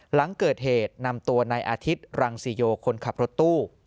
หลังเกิดเหตุนำตัวในอาทิตย์รังสิโยคนขับรถตู้